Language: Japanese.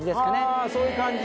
はそういう感じ。